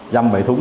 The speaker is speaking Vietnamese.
dăm bảy thúng